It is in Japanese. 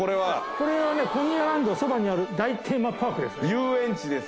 これはねコニーアイランドのそばにある大テーマパークです。